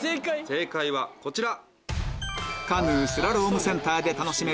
正解はこちら！